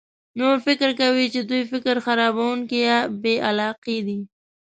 نور فکر کوي چې دوی فکر خرابونکي یا بې علاقه دي.